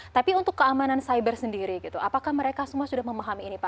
tapi untuk keamanan cyber sendiri apakah mereka semua sudah memahami ini pak